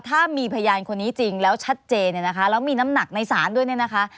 ถ้ามีพยานคนนี้จริงแล้วชัดเจนเนี่ยนะคะแล้วมีน้ำหนักในศาลด้วยเนี่ยนะคะ